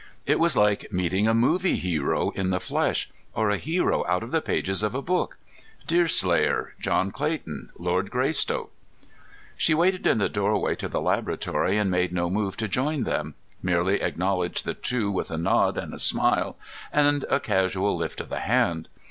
It was like meeting a movie hero in the flesh, or a hero out of the pages of a book Deer slayer, John Clayton, Lord Greystoke. She waited in the doorway to the laboratory and made no move to join them, merely acknowledged the two with a nod and a smile and a casual lift of the hand.